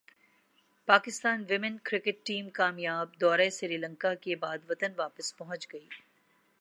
Pakistan women cricket team کامیاب دورہ سری لنکا کے بعد وطن واپس پہنچ گئی